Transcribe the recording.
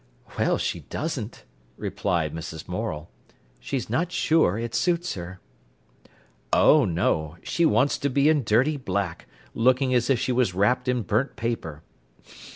"Well, she doesn't," replied Mrs. Morel. "She's not sure it suits her." "Oh no! she wants to be in dirty black, looking as if she was wrapped in burnt paper.